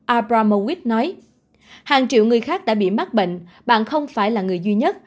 abramowit nói hàng triệu người khác đã bị mắc bệnh bạn không phải là người duy nhất